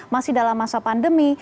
masih dalam masa pandemi